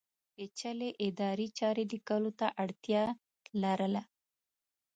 پېچلې ادارې چارې لیکلو ته اړتیا لرله.